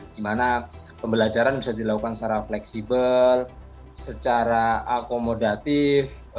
di mana pembelajaran bisa dilakukan secara fleksibel secara akomodatif